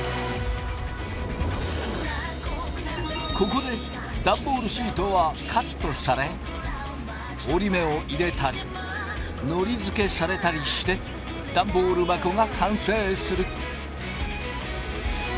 ここでダンボールシートはカットされ折り目を入れたりのりづけされたりしてダンボール箱が完成する。